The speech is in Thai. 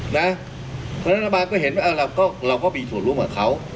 นะเพราะฉะนั้นเราก็เห็นเราก็มีส่วนร่วมกับเขา